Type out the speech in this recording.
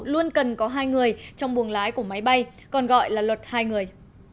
luôn cần có hai người trong buồng lái của máy bay còn gọi là luật hai người